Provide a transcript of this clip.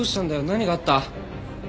何があった？